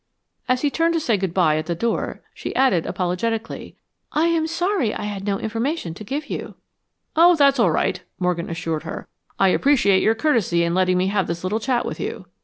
As he turned to say good bye at the door, she added, apologetically, "I am sorry I had no information to give you." "Oh, that's all right," Morgan assured her, "I appreciate your courtesy in letting me have this little chat with you."